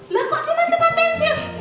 lho kok cuma teman pensil